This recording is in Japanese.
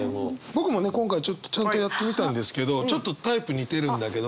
僕もね今回ちょっとちゃんとやってみたんですけどちょっとタイプ似てるんだけど。